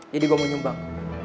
jadi gue mau nyumbang